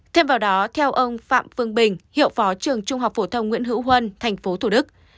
thêm vào đó theo ông phạm phương bình hiệu phó trường trung học phổ thông nguyễn hữu huân tp thủ đức